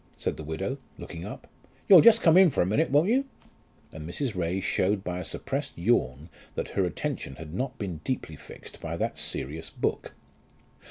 said the widow, looking up. "You'll just come in for a minute, won't you?" and Mrs. Ray showed by a suppressed yawn that her attention had not been deeply fixed by that serious book.